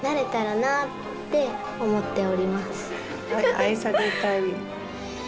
愛されたい？